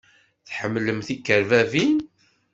Tḥemmlem tikerbabin?